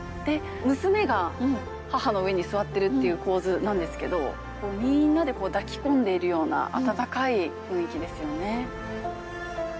娘が母の上に座ってるっていう構図なんですけどみんなで抱き込んでいるような温かい雰囲気ですよね。